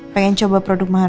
pengen coba produk maharatu